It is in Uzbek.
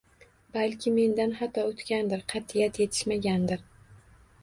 Balki mendan xato o`tgandir, qat`iyat etishmagandir